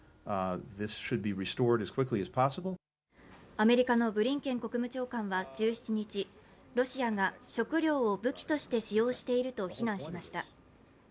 アメリカのブリンケン国務長官は１７日、ロシアが食糧を武器として使用していると非難しました。